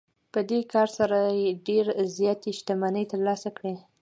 په دې کار سره یې ډېرې زیاتې شتمنۍ ترلاسه کړې